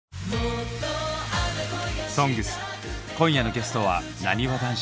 「ＳＯＮＧＳ」今夜のゲストはなにわ男子。